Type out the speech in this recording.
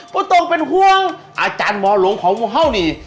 พอต้องเป็นห่วงอาจารย์หมอหลงของมุ่งเฮ่านี่